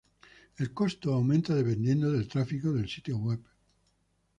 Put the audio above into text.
El costo aumenta dependiendo del tráfico del sitio web.